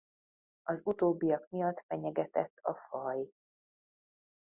Az utóbbiak miatt fenyegetett a faj.